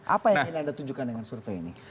apa yang ingin anda tunjukkan dengan survei ini